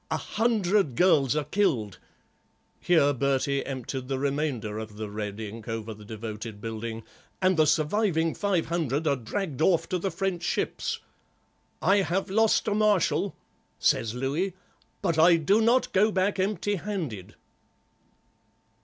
A hundred girls are killed"—here Bertie emptied the remainder of the red ink over the devoted building—"and the surviving five hundred are dragged off to the French ships. 'I have lost a Marshal,' says Louis, 'but I do not go back empty handed.